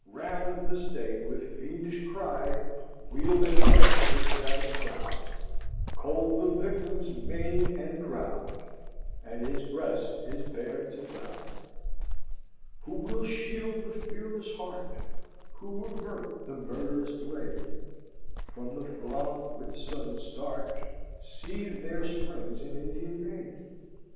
Round the stake with fiendish cry Wheel and dance the savage crowd, Cold the victim's mien and proud, And his breast is bared to die. "Who will shield the fearless heart? Who avert the murderous blade? From the throng, with sudden start, See, there springs an Indian maid.